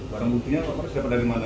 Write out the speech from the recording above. barang buktinya total siapa dari mana